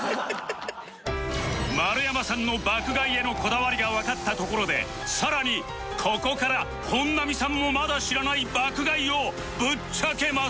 丸山さんの爆買いへのこだわりがわかったところでさらにここから本並さんもまだ知らない爆買いをぶっちゃけます